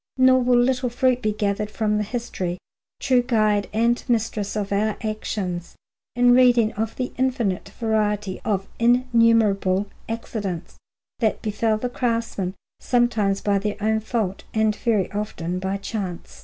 Nor will little fruit be gathered from the history, true guide and mistress of our actions, in reading of the infinite variety of innumerable accidents that befell the craftsmen, sometimes by their own fault and very often by chance.